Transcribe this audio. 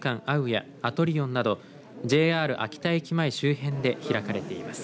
ＡＵやアトリオンなどＪＲ秋田駅前周辺で開かれています。